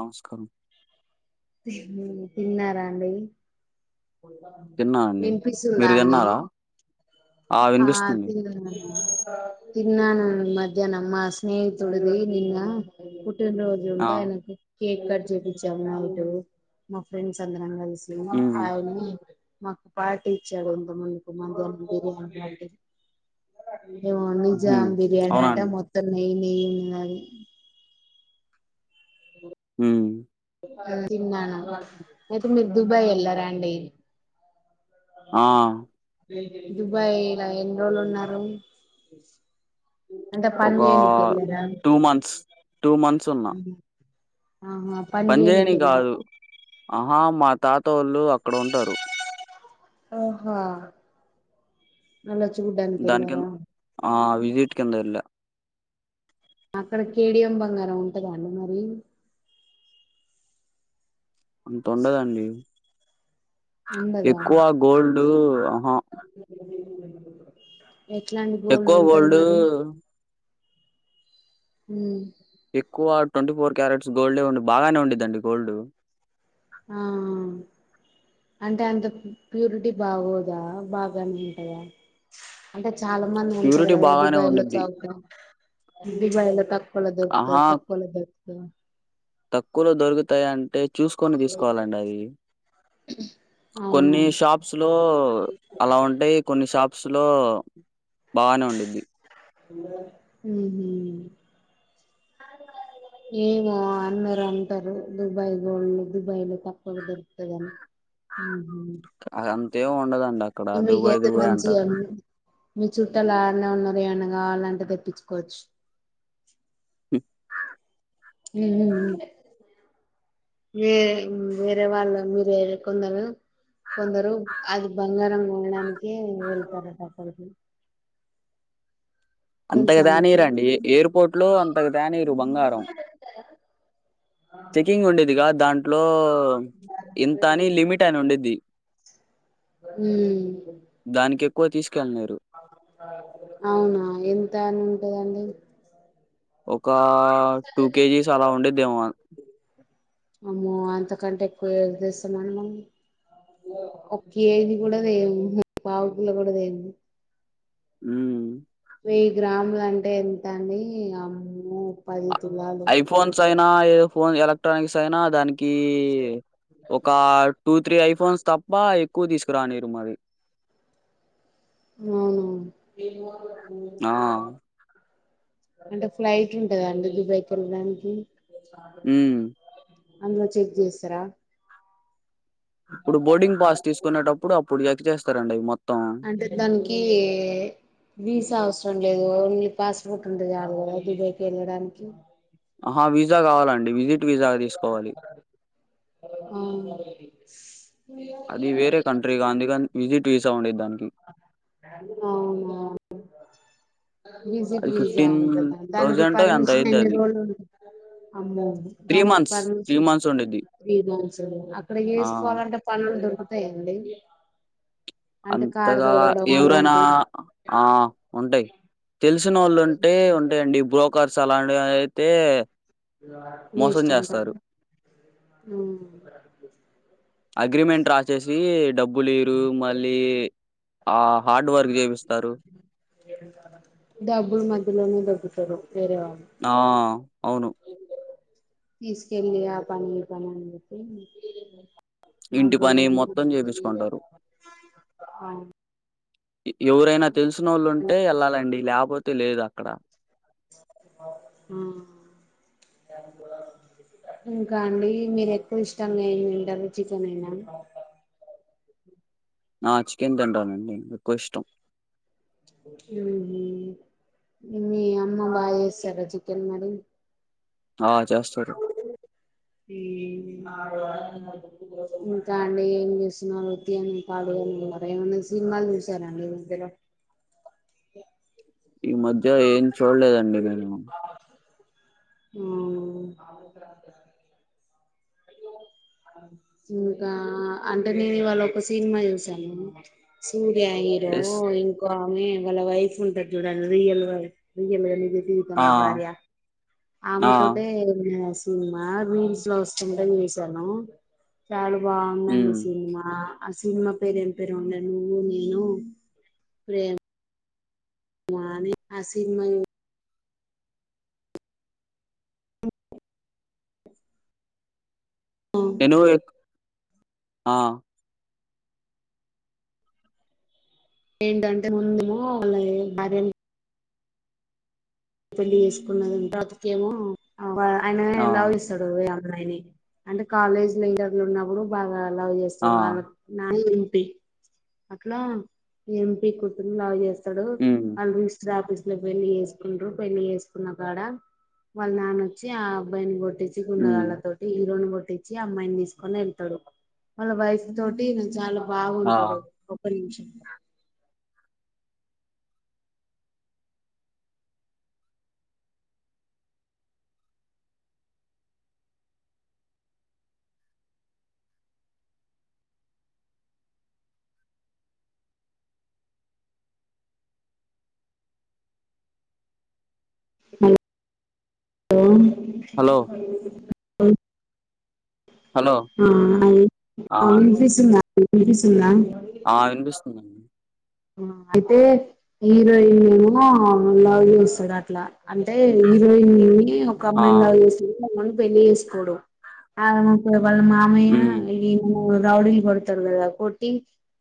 ఔన్స్కరు ఉమ్ తిన్నారా అండి. తిన్నానండి వినిపిస్సుందా మీరు అండి. తిన్నారా ఆ తిన్నాను తిన్నాను మ మధ్యానం మా స్నేహితుడిది నిన్న పుట్టినరోజు ఆ ఉంటే ఆయనకు కేక్ కట్ చేపించాము నైటు మా ఫ్రెండ్స్ అందరం కల్సి హ్మ్ ఆయ మాకు పార్టీ ఇచ్చాడు. ఇంత ముందుకు మటన్ బిర్యానీ పార్టీ ఏమో హు నిజాం బిర్యానీ అవునా అట అండి మొత్తం నెయ్యి నెయ్యి ఉన్నది. ఉమ్. తిన్నాను. ఐతే మీరు దుబాయ్ వెళ్లార అండి. ఆ దుబాయ్ లా ఎన్ని రోజులు ఉన్నారు? అంటే పని ఒక చేయనీకి వెళ్లిర్రా? టూ మంత్స్ టూ పంజేయని కాదు. ఆహా మా తాత వాళ్ళు అక్కడ ఉంటారు. ఓహో దానికిన్ ఆ విజిట్ కింద వెళ్లా? అక్కడ కేడియం బంగారం ఉంటదా అండి మరి అంత ఉండదండి. ఉండదా ఎక్కువ గోల్డు ఎట్లాంటి గోల్డ్ ఉంటది మరి? ఉమ్ ఎక్కువ ట్వంటీ ఫోర్ క్యారెట్స్ గోల్డే ఉంట బాగానే ఉండిద్దండి గోల్డు ఆ అంటే అంత ప్యూరిటీ బాగోదా బాగానే ఉంటదా అంటే చాలా మంది అంటారు ప్యూరిటీ కదా బాగానే దుబాయ్ లో ఉండిద్ది చవక దుబాయ్ లో తక్కువ తక్కువ లో దొరుకుతది ఆహా తక్కువ లో దొరుక్తది అని తక్కువలో దొరుకుతాయంటే చూసుకొని తీసుకోవాలండి అవి అవునా కొన్ని షాప్స్ లో అలా ఉంటాయి కొన్ని షాప్స్ లో బానే ఉండిద్ది. ఊహు ఏమో అందరు అంటారు దుబాయ్ గోల్డ్ దుబాయ్ లో తక్కుగా దొరుకుతది అని మ్ అది అంతేమి ఉండద ఇ మీకైతే మంచివే అన్ని మీ చుట్టలు ఆడ్నే ఉన్నారు ఏమన్నా కావాలంటే తెప్పిచ్చుకోవచ్చు. హ్మ్. ఉ ఉ ఉమ్ వే వేరే వేరే వాళ్ళు మీరు ఎక్కన్నారు? కొందరు అది బంగారం కొనడానికే వెళ్తారట అక్కడికి అంతకు తెలుసా మీకు దానీరండి ఎయిర్పోర్ట్ లో అంతకు తానీరు బంగారం చెకింగ్ ఉండిద్దిగా దాంట్లో ఇంత అని లిమిట్ అని ఉండిద్ది ఊ దానికెక్కువ తీసుకెళ్ళనీయరు. అవునా ఎంత అని ఉంటుందండి ఒక టూ కేజీస్ అలా ఉండిద్దేమొ కంటే ఎక్కువ ఏ దెస్తే మనము ఒక్కేజి గుడ దేము పావుకిలో గుడ దేము ఊ వెయ్యి గ్రాములు అంటే ఎంత అండీ అమ్మో పది తులాలు ఐఫోన్స్ అయినా ఏదో ఫోన్ ఎలక్ట్రానిక్స్ అయినా దాని కీ ఒకా టు త్రీ ఐఫోన్స్ తప్ప ఎక్కువ తీసుకురానీరు మరి అవునా ఆ అంటే ఫ్లైట్లుంటదా అండి దుబాయ్ కి ఎళ్ళడానికి ఉమ్ అందులో చెక్ జేస్సరా ఇప్పుడు బోర్డింగ్ పాస్ తీసుకునేటప్పుడు అప్పుడు ఎక్ చేేస్తారండి అవి మొత్తం అంటే దానికీ వీసా అవసరం లేదు ఓన్లీ పాస్పోర్ట్ ఉంటె సాల్ గద దుబైకి ఎళ్ళడానికి అహ వీజా గావాలండి విజిట్ వీజాగ తీసుకోవాలి ఆ. అది వేరే కంట్రీ గా అందుకని విజిట్ వీసా ఉండిద్దానికి అవునా విజిట్ అది విజా ఫిఫ్టీన్ ఉంటదా దానికి థౌజండ్ ఎంత పర్మిషన్ అయిద్ది ఎన్ని అది రోజులు ఉంట [inaudible] అమ్మో త్రీ దానికి మంత్స్ త్రీ పర్మిషన్ మంత్స్ ఉండిద్ది [unintelligible] అక్కడ ఆ ఏసుకోవాలంటే పన్ దొరుకుతయండి అంతగా ఎవరైనా ఆ ఉంటయ్ తెలిసినోళ్ళు ఉంటే ఉంటయండి బ్రోకర్స్ అలాంటి అయితే మీ ఇష్టం ప అగ్రిమెంట్ రాసేసీ డబ్బులీరు మ లీ ఆ హార్డ్ వర్క్ చేపిస్తారు డబ్బులు మధ్యలోనే దొబ్బు ఆ అవును తీసుకెళ్లి ఆ పని ఈ పని అన్ చెప్పి ఇంటి పని మొత్తం చేపిచ్చుకుంటారు అ ఎవురైనా తెలిసినోళ్ళు ఉంటే ఎళ్ళాలండి లాపోతే లేదు అక్కడ హూ ఇంకా అండి మీరు ఎక్కువ ఇష్టం నేను ఇంటర్వ్ చికెనేనా ఆ చికెన్ తింటానండి ఎక్కువ ఇష్టం ఊహు మీ అమ్మ వాళ్ళిస్సర చికన్ మరి ఆ చేస్తారు. తీ ఇంకా అండి ఏం జేసున్నారు, ఉత్తిగనే కాలీగనే ఉన్నారా, ఏమన్న సి. మాల్ చూసారా అండి ఇ మధ్యలో ఈ మధ్య ఏం చూడ్లేదండి నేను ఊ ఇంకా అంటే నేను ఇవాళ ఒక సినిమా చూసాను సిమ్ య హీరో యెస్. ఇంకో ఆమె వాళ్ళ వైఫ్ ఉంటది జూడండి రియల్ వైఫ్ రియల్ గనే జి ఆ! ఈవితంలో భార్య ఆమె ఆ! తోటే సినిమా రీల్స్ లో ఒస్తుంటే జూసాను [unintelligible] బావుందండీ హ్మ్. సినిమా. ఆ సినిమా పేరు ఏం పేరో ఉండే నండి, నువ్వు నేను ప్రే మా అని ఆ సినిమా ఏను ఎక్ ఆ ఏంటంటే ముందేమో అలా ఏ భార్యనీ పెళ్లి పెళ్లి చేసుకున్నదంట అందుకేమో ఆయన ఆ! లవ్ చేస్తడు, ఏయా అంటే కాలేజ్ లీడర్లు ఉన్నప్పుడు బాగా లవ్ ఆ! చేస్తడు వాళ్ళ అట్లా ఎంపీ కూతుర్ని లవ్ చేస్తడు, హ్మ్. వాళ్ళ లిస్టు రాపిస్ ఇట్ల పెళ్లి చేసుకుంట్రు పెళ్లి చేసుకున్న కాడ, వాళ్ళ నాన్నొచ్చి ఆ అబ్బాయిని కొ తెచ్చుకున్న హ్మ్. వాళ్ళతోటి హరోను కొట్ తెచ్చి అమ్మాయిని తీసుకొని ఎళ్తడు, వాళ్ళ వైఫ్ తోటి న చాలా ఆ! బాగుంటడు ఒక నిమిషం హలో హలో! అ హలో. ఆ వినిపిస్తుందా అం వినిపిస్తుందా? ఆ వినిపిస్తుందండి. ఆ అయితే హీరోయిన్ ఏమో లవ్ చేస్తడు అట్ల అంటే హీరోయిన్ని ఒక ఆ! అమ్మాయిని లవ్ చేసిందేమో అని పెళ్లి చేసుకోవడం ఆ వాళ్ల మామయ్య హ్మ్. ఏమో రౌడీల్ కొడుతరు గదా, కొట్టి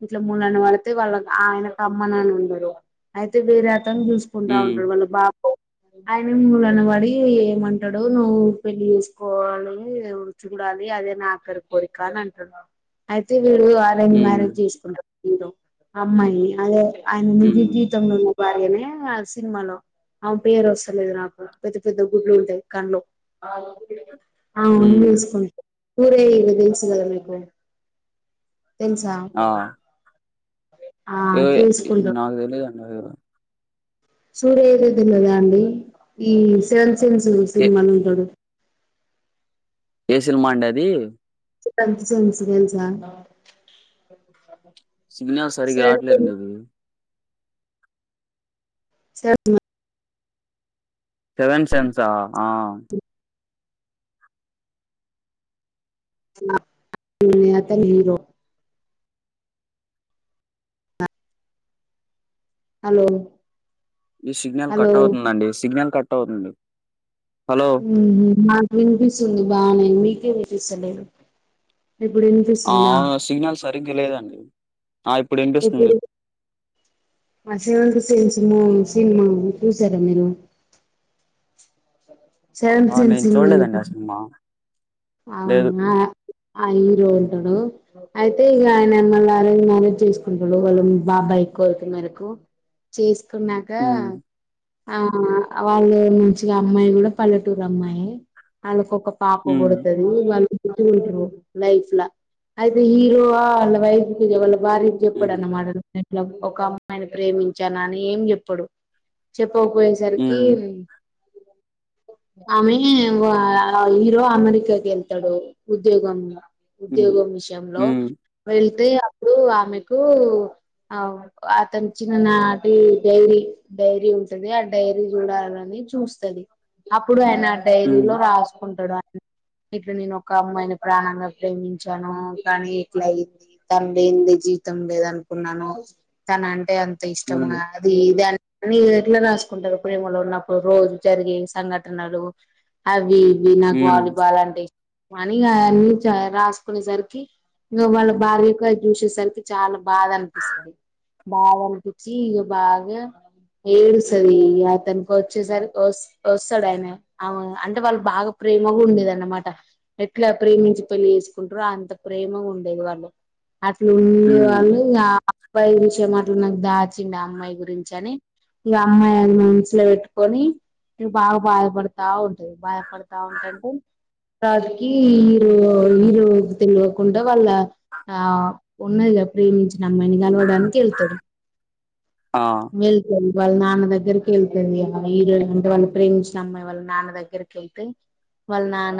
ఇట్ల మూడు అన్న వళతే వాళ్ళ ఆయన కమ్మ నాన్న ఉండరు, అయితే వేరే అతను చూసుకుంటా హ్మ్. ఉంటడు వాళ్ళ బాపు ఆయన మిమ్మూలన వడి ఏమంటడో నువ్వు పెళ్లి చేసుకోవాలి ఉచ్చు కుడా అది అదే నా అక్కరి కోరిక అని అంటడు అయితే మీరు అరేంజ్ హ్మ్. మ్యారేజ్ చేసుకుంటరు మీరు అమ్మాయిని అదే ఆయన నిజ హ్మ్. జీవితంలో ఉన్న వార్యమే ఆ సినిమలో ఆమె పేరు వస్తలేదు నాకు, పెద్ద పెద్ద గుడ్లు ఉంటయి కండ్లు ఆ హ్మ్. ఏస్కుంట మీరేమైదో తెలుసు కదా మీకు తెలుసా ఆ ఏవోయే చేసుకుంటాడు నాకు తెలిదన్నరు కదా సూర్య ఏదే తెలవదా అండి, ఈ సెవెన్ సెన్స్ ఏ సినిమాల ఉంటడు. ఏ సినిమా అండి అది సెవెంత్ సెన్స్ తెలుసా? సిగ్నల్ సరిగ్గా సెవెన్ రావట్లేదు అండి అది స రి సెవెన్ సెన్సా ఆ అతను హీరో హలో ఈ సిగ్నల్ హలో కట్ అవుతుందండి సిగ్నల్ కట్ అవుతుంది. హలో. ఉహు నాకు వినిపిస్తుంది బానే, మీకే వినిపిస్తలేదు. ఇప్పుడు ఆ వినిపిస్తుందా సిగ్నల్ సరిగ్గా లేదండి ఆ ఇప్పుడు ఇనిపిస్తుంది. ఆ సెవెంత్ సెన్స్ మూవీ సినిమా చూసారా మీరు? సెవెంత్ ఆ! సెన్స్ నేను ము చూడలేదండి ఆ సినిమా. లేదు. అవునా ఆ హీరో ఉంటడు. అయితే ఇగ ఆయన మళ్ళ అరేంజ్ మ్యారేజ్ చేసుకుంటడు, వాళ్ళు బాబాయి కోరిక మేరకు చేసుకున్నాక హ్మ్. ఆ వాళ్ళ నుంచి అమ్మాయి గుడ పల్లెటూరు అమ్మాయే, వాళ్ళకు ఒక పాప గుడ హ్మ్. లైఫ్ ల అయితే హీరోవా ఆళ్ల వైఫ్ కి ఎవలు వారికి హ్మ్. చెప్పడన్నమాట, నేను ఇట్ల ఒక అమ్మాయిని ప్రేమించానని ఏం చెప్పడు, చె పోకపోయేసరికి హ్మ్. ఉమ్ ఆమె వ హీరో అమెరికా వెళ్తాడు ఉద్యోగం హ్మ్. ఉద్యోగం విషయంలో హ్మ్. వె ఉంది అప్పుడు ఆమెకు అవు అతను చిన్న నాటి డైరీ డైరీ ఉంటుంది ఆ డైరీ చూడాలని చూస్తుది అప్పుడు ఆయన ఆ డైరీలో హ్మ్. రాసుకుంటాడు ఆ ఇట్లా నేను ఒక అమ్మాయిని ప్రాణంగా ప్రేమించాను కానీ ఇట్లా అయిింది తండ్రి అంది జ జీతం లేద అనుకున్నాను తన అంటే అంత ఇష్టం హ్మ్. అది దాని అనీ ఎట్లా రాసుకుంటారు ప్రేమలో ఉన్నప్పుడు రోజు జరిగే సంఘటనలు అవి బనా కోల హ్మ్. కానీ అవన్నీ రాసుకునేసరికి ఇం వాళ్ళ భార్యగా చూసేసరికి చాలా బాధ అనిపిస్తుంది బాగాల్పిచ్చి ఈగ బాగా ఏడు సరి అతనికి వచ్చేసరి వస్తాడు ఆయన అవు అంటే వాళ్ళు బాగా ప్రేమగు ఉండ అన్నమాట ఎట్లా ప్రేమించి పెళ్లి చేసుకుంటారో అంత ప్రేమ ఉండేది వాళ్ళు అట్లా ఉండే హ్మ్. వాళ్ళు ఆ అబ్బాయి గురించి ఏ అట్లా నాకు దాచిడి ఆ అమ్మాయి గురించి అని ఇ అమ్మాయిారి మనుసులో పెట్టుకొని ఇ బాగా బాధపడతా ఉంటాయి బాధపడతా ఉంటాండి రాతికి ఈరు ఈరు తెలివకుండా వాళ్ళ ఆ ఉన్నదిగాద ప్రేమించిన అమ్మాయిని కనవడానికి వెళ్తారు ఆ మల్కల్ వాళ్ళ నాన్న దగ్గరికి వెళ్తుంది వాళ ఈరోళు అంటే వాళ్ళ ప్రేమ్ న అమ్మాయి వాళ్ళ నాన్న దగ్గరికి వెళ్తే వాళ్ళ నాన్న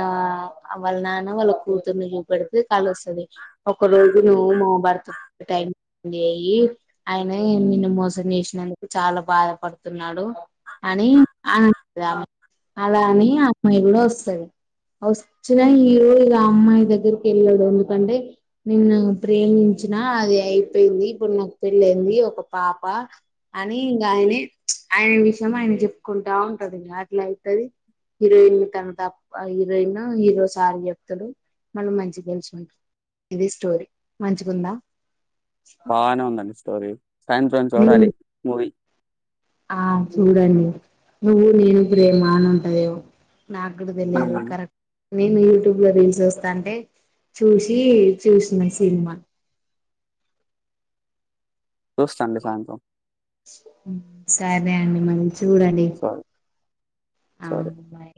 వాళ్ళ నాన్న వాళ్ళ కూతుర్ని చూపెడితే కాలు వస్తుంది ఒక రోజు మా బర్త్ ఆ స చేసినందుకు చాలా బాధపడుతున్నాడు అని అన అలా అని అమ్మాయిలు వస్తుంది వచ్చినా ఈ రోజు ఆ అమ్మాయి దగ్గరికి వెళ్ళాడు ఎందుకంటే నిన్న ప్రేమించ వచ్చిన అది అయిపోయింది ఇప్పుడు నా ఒక పెళ్ళింది ఒక పాప అని ఇంకా ఆయనే ఆయన విషయం ఆయన చెప్పుకుంటా ఉంటంది ఇం అట్లా అవుతుది హీరోయిన్ తన తప్ప హీరోయిన్ హీరో సారి చెప్తుడు మళ్ళం మంచిగా తెెలుచుకుంట ఇది స్టోరీ మంచిగాందా బానే ఉందండి స్టోరీ సాయంత్రం నేను చూడాలి మూవీ ఆ చూడండి నువ్వు నేను ప్రేమ అని ఉంటదేవో నాగ గుడ తె వెలిదు కరెక్ట్ నేను యూట్యూబ్ లో రీల్స్ వస్తా అంటే చూసి చూసినయి సినిమా దోస్థంలు చాత సాబే అండి మంచి చూడండి సారీ ఆ సారీ బాయ్